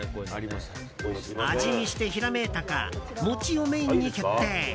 味見してひらめいたか餅をメインに決定。